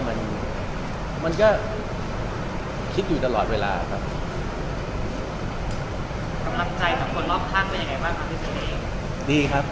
มันก็คิดอยู่ตลอดเวลาครับ